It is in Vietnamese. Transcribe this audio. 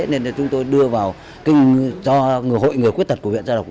nên chúng tôi đưa vào cho người hội người khuyết tật của huyện gia đồng